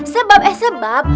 sebab eh sebab